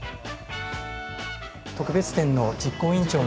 特別展の実行委員長の。